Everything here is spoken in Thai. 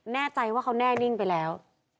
แน่ใจว่าเขาแน่นิ่งไปแล้ว